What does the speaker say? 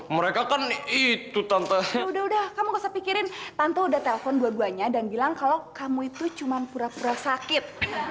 mereka kan itu tante udah udah kamu udah pikirin tante udah telepon dua duanya dan bilang kalau kamu itu cuman pura pura sakit